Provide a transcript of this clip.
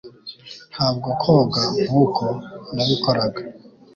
Ntabwo koga nkuko nabikoraga